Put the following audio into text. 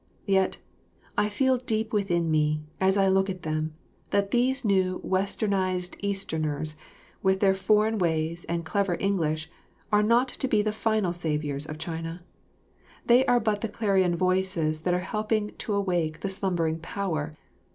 Yet, I feel deep within me, as I look at them, that these new Westernised Easterners with their foreign ways and clever English are not to be the final saviours of China. They are but the clarion voices that are helping to awake the slumbering power.